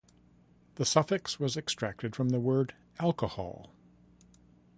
The suffix was extracted from the word "alcohol".